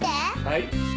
はい。